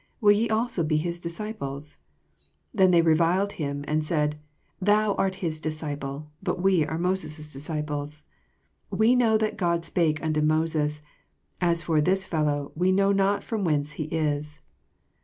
will ye also be hisdisoiples ? 28 Then they reviled him, and said, Thoa art his disoiple; but we are Hoses' disciples. 29 We know that God spake nnto Moses: as for this/elloWf we know not from whence he is.